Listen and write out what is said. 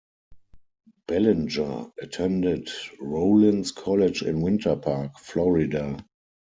Bellinger attended Rollins College in Winter Park, Florida.